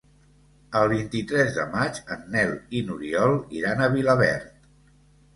El vint-i-tres de maig en Nel i n'Oriol iran a Vilaverd.